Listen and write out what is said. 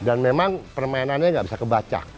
dan memang permainannya gak bisa kebacak